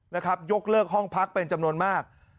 นะครับยกเลิกห้องพักเป็นจำนวนมาก